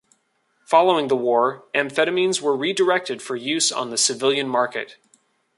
Following the war, amphetamines were redirected for use on the civilian market.